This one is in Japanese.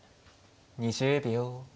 ２０秒。